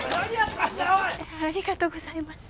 ありがとうございます。